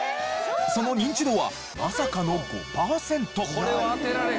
そのニンチドはまさかの５パーセント。